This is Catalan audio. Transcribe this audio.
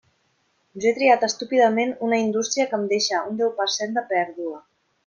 Jo he triat estúpidament una indústria que em deixa un deu per cent de pèrdua.